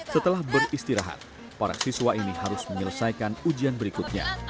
setelah beristirahat para siswa ini harus menyelesaikan ujian berikutnya